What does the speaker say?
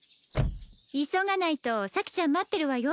急がないと咲ちゃん待ってるわよ